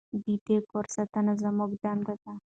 د دې کور ساتنه زموږ دنده ده.